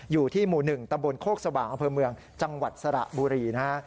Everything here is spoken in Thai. อยู่ที่หมู่๑ตำบลโคกสว่างอำเภอเมืองจังหวัดสระบุรีนะฮะ